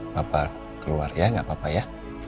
papa keluar ya gak apa apa ya